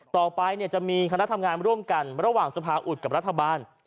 ต่อไปจะมีคณะทำงานร่วมกันระหว่างสภาอุดกับรัฐบาล